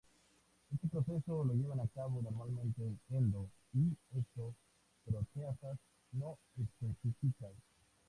Este proceso lo llevan a cabo normalmente endo- y exo-proteasas no específicas.